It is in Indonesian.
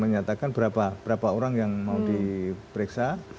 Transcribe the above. menyatakan berapa orang yang mau diperiksa